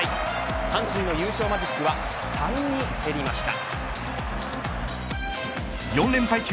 阪神の優勝マジックは３に減りました。